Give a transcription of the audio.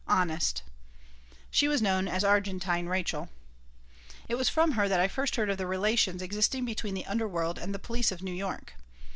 Honest." She was known as Argentine Rachael. It was from her that I first heard of the relations existing between the underworld and the police of New York.